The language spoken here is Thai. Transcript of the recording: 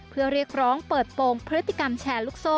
เพื่อเรียกร้องเปิดโปรงพฤติกรรมแชร์ลูกโซ่